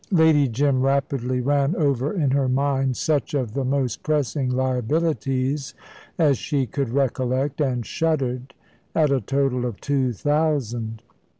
Lady Jim rapidly ran over in her mind such of the most pressing liabilities as she could recollect, and shuddered at a total of two thousand.